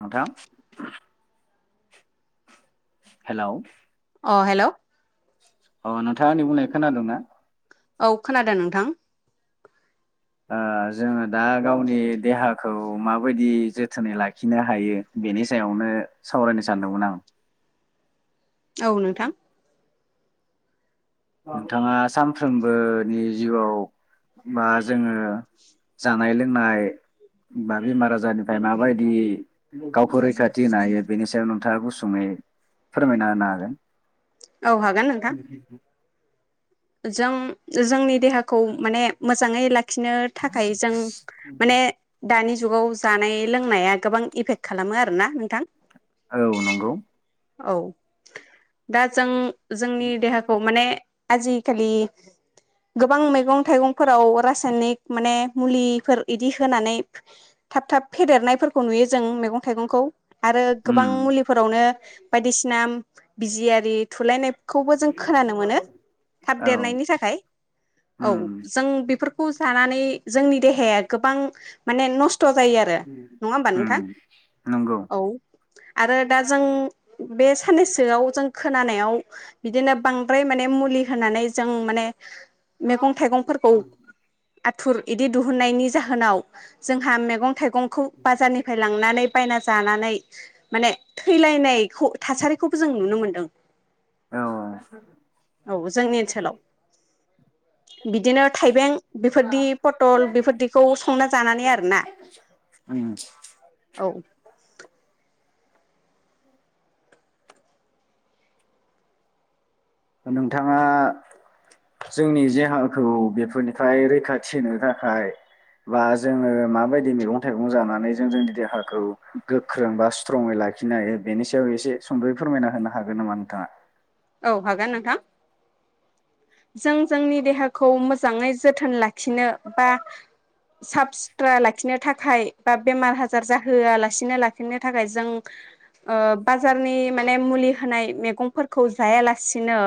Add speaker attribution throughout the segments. Speaker 1: नोंथा हेलौ
Speaker 2: अ हेल'
Speaker 1: अ नोंथाङा आंनि बुंनायखो खोनादोंना?
Speaker 2: औ खोनादों नोंथां
Speaker 1: जोङो दा गावनि देहाखौ माबायदि जोथोनै लाखिनो हायो बेनि सायावनो सावरायनो सानदोंमोन आं।
Speaker 2: औ नोंथां
Speaker 1: नोंथाङा सानफ्रोमबोनि जिउआव बा जोङो जा जानाय लोंनाय बा बेमार आजारनिफ्राय माबायदि गावखौ रैखाथि हायो बेनि सायाव नों नोंथाङा गुसुङै फोरमायना होनो हागोन?
Speaker 2: औ हागोन नोंथां। जों जोंनि देहाखौ माने मोजाङै लाखि लाखिनो थाखाय जों माने दानि जु जुगाव जानाय लोंनाया गोबां इफेक्ट खालामो आरोना नोंथां।
Speaker 1: औ नंगौ।
Speaker 2: औ दा जों जोंनि देहाखौ माने आजिखालि गोबां मैगं- थाइगंफोराव रासायनिक माने मुलिफोर इदि होनानै थाब थाब फेदेरनायफोरखौ नुयो जों मैगं थाइगंखौ। आरो
Speaker 1: उम
Speaker 2: गोबां मुलिफोरावनो बायदिसिना बिजियारि थुलायनाय खौबो जों खोनानो मोनो थाब
Speaker 1: औ
Speaker 2: देरनायनि थाखाय औ
Speaker 1: उम
Speaker 2: जों बेफोरखौ खौ जानानै जोंनि देहाया गोबां माने न स्थ' जायो आरो नङा होमबा
Speaker 1: उम
Speaker 2: नोंथां
Speaker 1: नंगौ
Speaker 2: औ? आरो दा जों बे साननैसोआव जों खोनानायाव बिदिनो बांद्राय माने मुलि होनानै जों माने मैगं थाइगं फोरखौ आथुर इदि दिहुननायनि जाहोनाव जोंहा मेगं थाइगंखौ बाजारनिफ्राय लांनानै बायना जानानै माने थैलायनाय खौ थासारिखौबो जों नुनो मोनदों।
Speaker 1: औ
Speaker 2: औ जोंनि ओनसोलाव बिदिनो थाइबें बेफोरदि पटल बेफोरदिखौ संना जानानै आरोना
Speaker 1: उम
Speaker 2: औ।
Speaker 1: नोंथाङा जोंनि देहाखौ बेफोरनिफ्राय रैखाथि होनो थाखाय बा जोङो माबायदि मेगं थाइगं जानानै जों जोंनि देहाखौ गोख्रों बा स्ट्रङै लाखिनो हायो बेनि सायाव एसे सद'यै फोरमायना होनो हागोन नामा नोंथाङा?
Speaker 2: औ हागोन नोंथां। जों जोंनि देहाखौ मोजाङै जोथोन लाखिनो बा साफ सिथ्रा लाखिनो थाखाय बा बेमार आजार जाहोआलासिनो लाखिनो थाखाय जों बाजारनि माने मुलि होनाय मेगंफोरखौ जायालासिनो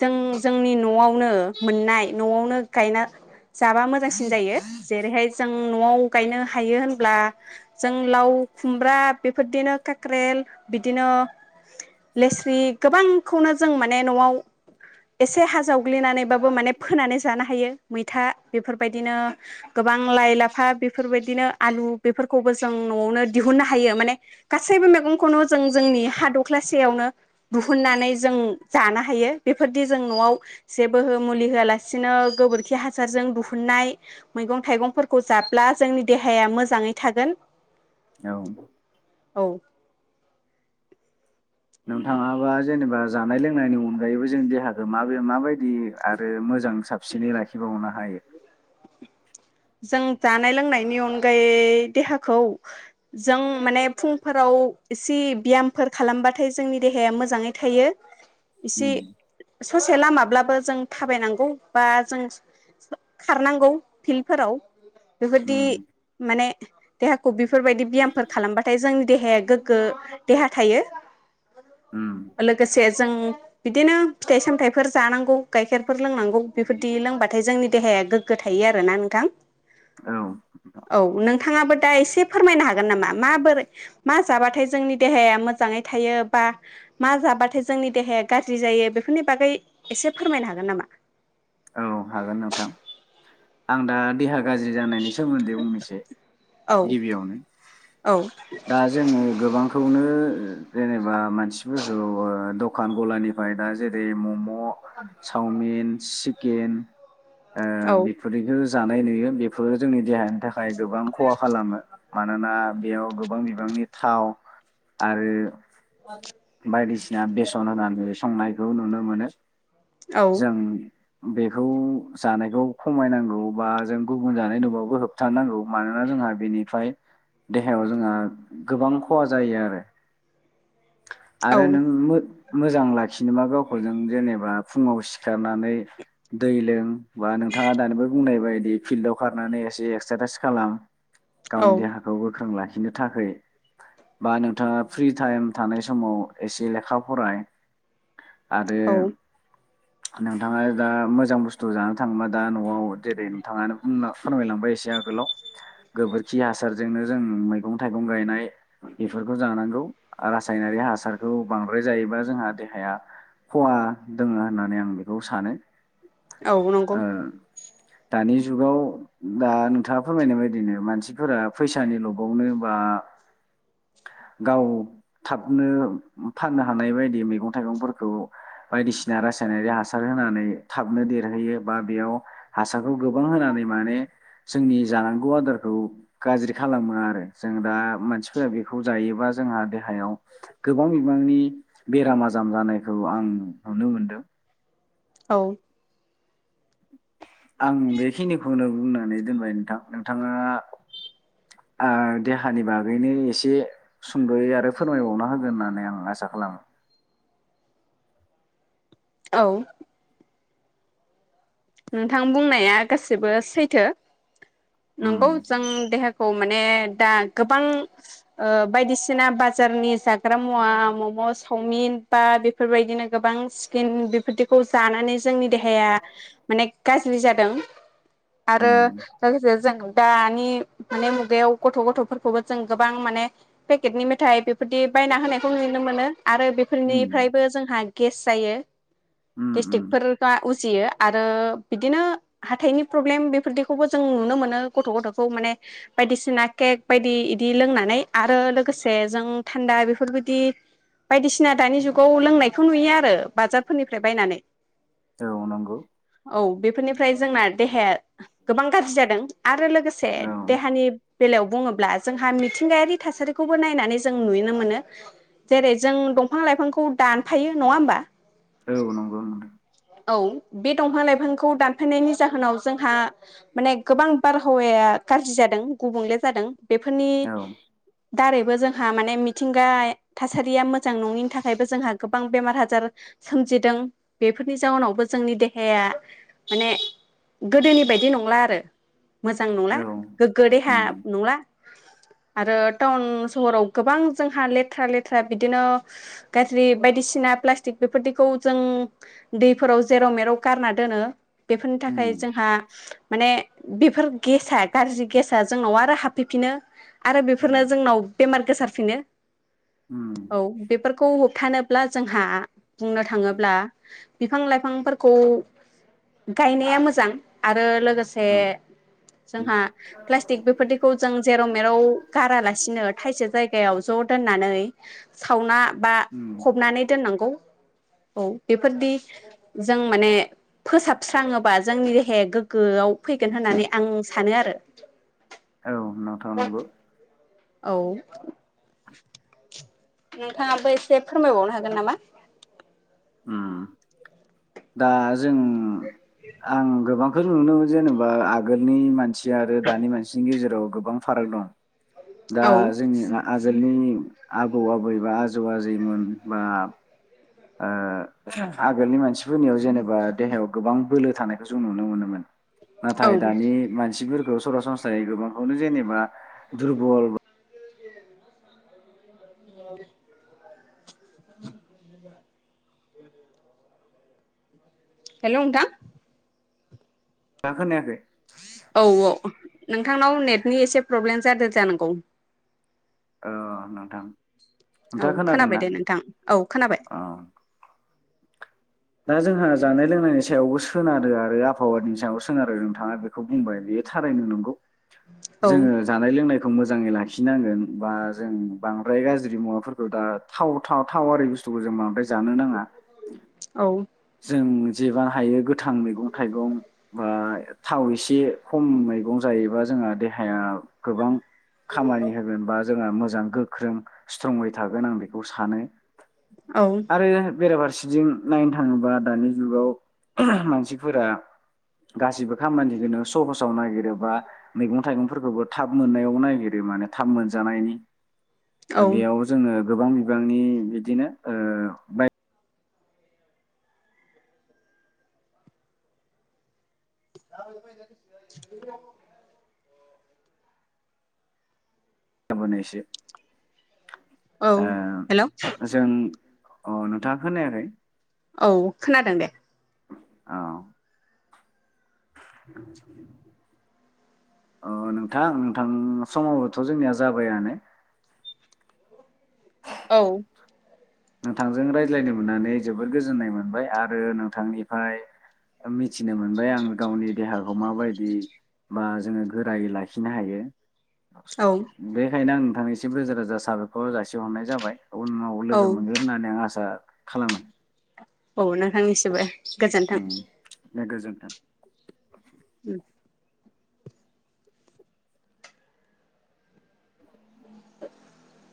Speaker 2: जों जोंनि न'आवनो मोननाय न'आवनो गायना जाबा मोजांसिन जायो जेरैहाय जों न'आव गायनो हायो होनब्ला जों लाव खुमब्रा बेफोरदिनो काक्रेल बिदिनो लेस्रि गोबांखौनो जों माने न'आव एसे हा जावग्लिनानैबाबो माने फोनानै जानो हायो मैथा बेफोरबायदिनो गोबां लाइ लाफा बेफोरबायदिनो आलु बेफोरखौबो जों न'आवनो दिहुननो हायो माने गासैबो मेगंखौनो जों जोंनि हा दख्लासेयावनो दिहुननानै जों जानो हायो। बेफोरदि जों न'आव जेबो हो मुलि होआलासिनो गोबोरखि हासारजों दिुहुननाय मैगं थाइगंफोरखौ जाब्ला जोंनि देहाया मोजाङै थागोन।
Speaker 1: औ।
Speaker 2: औ
Speaker 1: नोंथाङाबा जेनेबा जानाय लोंनायनि अनगायैबो जों देहाखौ माब माबायदि आरो मोजां साबसिनै लाखिबावनो हायो?
Speaker 2: जों जानाय लोंनायनि अनगायै देहाखौ जों माने फुंफोराव एसे व्यामफोर खालामबाथाय जोंनि देहाया मोजाङै थायो। एसे
Speaker 1: उम
Speaker 2: ससे लामाब्लाबो जों थाबायनांगौ बा जों खारनांगौ फिल फोराव बेबायदि
Speaker 1: उम
Speaker 2: माने देहाखौ बेफोरबायदि व्यामफोर खालामबाथाय जोंनि देहाया गोग्गो देहा थायो।
Speaker 1: उम
Speaker 2: ओ लोगोस से जों बिदिनो फिथाइ सामथायाइफोर जानांगौ गाइखेरफोर लोंनांगौ बेफोरदि लोंबाथाय जोंनि देहाया गोग्गो थायो आरोना नों थां
Speaker 1: औ
Speaker 2: औ नोंथाङाबो दा एसे फोरमायनो हागोन नामा? माबोरै मा जाबाथाय जोंनि देहाया मोजाङै थायो बा मा जाबाथाय जोंनि देहाया गाज्रि जायो बेफोरनि बागै एसे फोरमायनो हागोन नामा?
Speaker 1: औ हागोन नोंथां आं दा देहा गाज्रि जानायनि सोमोन्दै बुंनोसो
Speaker 2: औ
Speaker 1: गिबियावनो
Speaker 2: औ
Speaker 1: दा जोङो गोबांखौनो ओ जेनेबा मानसिफोरखौ दखान गलानिफ्राय दा जेरै मम' म' साउमिन सिक केन ओ बेफोरनिखो जानाय नुयो बेफोरो जोंनि देहानि थाख खाय गोबां खहा खालामो मानोना बेयाव गोबां बिबांनि थाव आरो बायदिसिना बेसन होनानै संनाय। ज नुनो मोनो।
Speaker 2: औ
Speaker 1: जों बेखौ जानायखौ खमायनांगौ बा जों गुबुन जानाय नुबाबो होबथानांगौ मानोना जोंहा बेनिफ्राय देहायाव जोंहा गोबां खहा जायो आरो। आरो नों
Speaker 2: औ
Speaker 1: मोद मोजां लाखिनोबा गावखौ जों जेनेबा फुङाव सिखारनानै दै लों बा नोंथाङा दानिबो बुंनाय बायदि फिल्डाव खारनानै एसे एक्सारसाइस खालाम गावनि
Speaker 2: औ
Speaker 1: देहाखौ गोख्रों लाखि नो थाखोय बा नोंथाङा फ्रि टाइम थानाय समाव एसे लेखा फराय आरो
Speaker 2: औ
Speaker 1: नोंथाङा दा मोजां बुस्थु जानो थाङोबा दा न'आव जेरै नोंथाङानो बुंना फोरमायलांबाय एसे आगोलाव गोबोरखि हासारजोंनो जों मैगं थाइगं गायनाय बेफोरखौ जानांगौ रासायनारि हासारखौ बांद्राय जायोबा जोंहा देहाया खहा दङो। होननानै आं बेखौ सानो
Speaker 2: औ नंगौ
Speaker 1: ओ दानि जुगाव दा नोंथाङा फोरमायनाय बायदिनो मानसिफोरा फैसानि लबावनो बा गाव थाबनो फाननो हानाय बायदि मैगं थाइगंफोरखौ बायदिसिना रासायनारि हासार होनानै थाब थाबनो देरहोयो बा बेयाव हासारखौ गोबां होनानै माने जोंनि जानांगौ आदारखौ गाज्रि खालामो आरो जों दा मानसिफोरा बेखौ जायोबा जोंहा देहायाव गोबां बिबांनि बेराम आजार जानायखौ आं नुनो मोनदों।
Speaker 2: औ
Speaker 1: आं बेखिनिखौनो बुंनानै दोनबाय नोंथां नोंथाङा देहानि बागैनो एसे सुंद'यै आरो फोरमायबावना होगोन होननानै आं आसा खालामो।
Speaker 2: औ नोंथां बुंनाया गासिबो सैथो।
Speaker 1: उम
Speaker 2: नंगौ जों देहा खौ माने दा गोबां बायदिसिना बाजारनि जाग्रा मुवा म'म' सावमिन बा बेफोरबायदिनो गोबां [unintelligible] जानानै जोंनि देहाया गाज्रि जादों। आरो
Speaker 1: उम
Speaker 2: लोगोसे जों दानि माने मुगायाव गथ' गथ'फोरखौबो जों गोबां माने पेकेटनि मेथाइ बेफोर बादि बायना होनायखौ नुनो मोनो आरो
Speaker 1: उम
Speaker 2: बेफोरनिफ्रायबो जोंहा गेस जायो।
Speaker 1: उम
Speaker 2: गेस्टिक
Speaker 1: उम
Speaker 2: फोर बा [inaudible] ओ बिदिनो हाथायनि प्रब्लेम बेफोरदिखौबो जों नुनो मोनो गथ' गथ'खौ माने बायदिसिना केक बायदि इदि लोंनानै आरो लोगोसे जों थान्दा बेफोरबायदि बायदिसिना दानि जुगाव लोंनायखौ नुयो आरो बाजाफोरनिफ्राय बायनानै
Speaker 1: औ नंगौ
Speaker 2: औ बेफोरनिफ्राय जोंना देहाया गोबां गाज्रि जादों। आरो लोगोसे
Speaker 1: औ
Speaker 2: देहानि बेलायाव बुङोब्ला जोंहा मिथिंगायारि थासारिखौबो नायनानै जों नुयोनो मोनो। जेरै जों दंफां लाइफांखौ दानफायो नङा होमबा?
Speaker 1: औ नंगौ नोंथां
Speaker 2: औ। बे दंफां लाइफांखौ दानफायनायनि जाहोनाव जोंहा माने गोबां बारहावाया गाज्रि जादों गुबुंले जादों। बेफोरनि
Speaker 1: औ
Speaker 2: दारै जोंहा माने मिथिंगा थासारिया मोजां नङिनि थाखायबो जोंहा गोबां बेमार आजार सोमजिदों बेफोरनि जाउनावबो जोंनि दे हेाया माने गोदोनि बायदि नंला आरो। मोजां नंला
Speaker 1: औ
Speaker 2: गोग्गो देहा
Speaker 1: उम
Speaker 2: नंला। आरो टाउन सहराव गोबां जोंहा लेथ्रा लेथ्रा बिदिनो गाज्रि बायदिसिना प्लास्टिक बेफोरदिखौ जों दैफोराव जेराव मेराव गारना दोनो। बेफोरनि
Speaker 1: उम
Speaker 2: थाखाय जोंहा माने बेफोर गेसआ गाज्रि गेसा जोंनाव आरो हाबफैफिनो। आरो बेफोरनो
Speaker 1: उम
Speaker 2: जोंनाव बेमार गोसारफिनो।
Speaker 1: उम
Speaker 2: औ बेफोरखौ होबथानो ब्ला जोंहा बुंनो थाङोब्ला बिफां-लाइफांफोर खौ गायनाया मोजां आरो लोगोसे
Speaker 1: औ
Speaker 2: जोंहा प्लास्टिक बेफोरदिखौ जों जेराव मेराव गारालासिनो थाइसे जायगायाव ज' दोननानै सावना बा
Speaker 1: उम
Speaker 2: फबनानै दोननांगौ। औ बेफोरदि जों माने फोसाबस्राङोबा जोंनि देहाया गोग्गोआव फैगोन होननानै आं सानो आरो।
Speaker 1: औ नोंथां नंगौ
Speaker 2: औ। नोंथाङाबो एसे फोरमायबावनो हागोन नामा?
Speaker 1: ओम दा जों आं गोबां खो नुनो मोनो जेनेबा आगोलनि मानसि आरो दानि मानसिनि गेजेराव गोबां फाराग दं। दा
Speaker 2: औ
Speaker 1: जोंनि हा आजोलनि आबौ आबै बा आज जमा जायोमोन बा ओ आगोलनि मानसिफोरनियाव जेनेबा देहायाव गोबां बोलो थानायखौ जों नुनो मोनोमोन।
Speaker 2: औ
Speaker 1: नाथाय दानि मानसिफोरख औ सरासनस्रायै गोबांखौनो जेनेबा दुरबल
Speaker 2: [unintelligible] [inaudible] हेलौ नोंथां।
Speaker 1: मा खोनायाखै?
Speaker 2: औ औ नोंथांनाव नेटनि एसे प्रब्लेम जादो जानांगौ।
Speaker 1: अ नोंथां।
Speaker 2: औ
Speaker 1: नोंथाङा
Speaker 2: खोनाबाय
Speaker 1: खोनादोंना
Speaker 2: दे नोंथां औ खोनाबाय।
Speaker 1: औ दा जोंहा जानाय लोंनायनि सायावबो सोनारो आरो आबहावानि सायाव सोनारो नोंथाङा बेखौ बुंबाय बेयो थारोयनो नंगौ।
Speaker 2: औ
Speaker 1: जोङो जानाय लोंनाय खौ मोजाङै लाखिनांगोन बा जों बांद्राय गाज्रि मुवाफोरखौ दा थाव थाव थावारि बुस्थुखौ जों बांद्राय जानो नाङा।
Speaker 2: औ।
Speaker 1: जों जेबा हायो गोथां मैगं थाइगं बा थाव एसे खम मैगं जायोबा जोंहा देहाया गोबां खामानि होगोन बा जोंहा मोजां गोख्रों स्ट्रंङै थागोन आं बेखौ सानो।
Speaker 2: औ
Speaker 1: आरो बेरफारसे जों नायनो थाङोबा दानि जुगाव मानसिफोरा गासिबो खामानिखौनो सहस सहसाव नागिरो बा मैगं थायगंफोरखोबो थाब मोननायाव नायगिरो माने थाब मोनजानायनि। ओ बेयाव जोङो गोबां बिबांनि बिदिनो ओ बाय
Speaker 2: [unintelligible]
Speaker 1: बनो इसे
Speaker 2: औ हेलौ
Speaker 1: अ नोंथाङा खोनायाखै
Speaker 2: औ खोनादों दे
Speaker 1: अव ओ नोंथां नोंथां समाबोथ‌' जोंनिया जाबायानो
Speaker 2: औ
Speaker 1: नोंथांजों रायज्लायनो मोननानै जोबोद गोजोननाय मोनबाय आरो नोंथांनिफाय मिथिनो मोनबाय आं गावनि देहाखौ माबायदि बा जोङो गोरायै लाखिनो हायो
Speaker 2: औ
Speaker 1: [unintelligible] बेखायनो नों थांनिसिम रोजा रोजा साबायखर जासिहरनाय जाबाय उन लोगो मोनगोन होननानै आं आसा खालामो
Speaker 2: औ नों थांनिसिबो गोजोन्थों
Speaker 1: उम दे गोजोन्थों
Speaker 2: ओम [inaudible]